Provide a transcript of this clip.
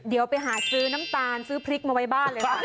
เดี๋ยวไปหาซื้อน้ำตาลซื้อพริกมาไว้บ้านเลย